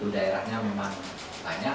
daerahnya memang banyak